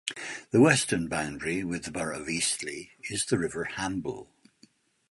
The western boundary, with the Borough of Eastleigh, is the River Hamble.